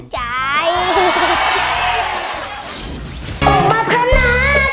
หาร้องหน่อย